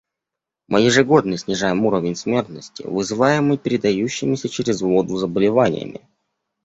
Мы ежегодно снижаем уровень смертности, вызываемой передающимися через воду заболеваниями.